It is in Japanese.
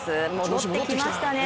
戻ってきましたね。